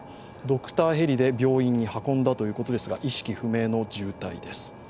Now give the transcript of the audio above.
ドクターヘリで病院に運んだということですが意識不明の重体です。